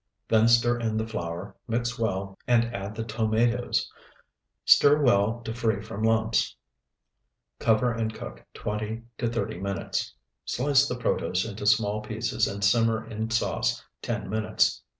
Then stir in the flour, mix well, and add the tomatoes. Stir well to free from lumps. Cover and cook twenty to thirty minutes. Slice the protose into small pieces and simmer in sauce ten minutes.